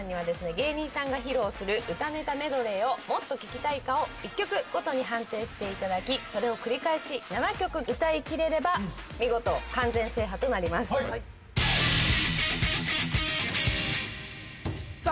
芸人さんが披露する歌ネタメドレーをもっと聴きたいかを１曲ごとに判定していただきそれを繰り返し７曲歌い切れれば見事完全制覇となりますさあ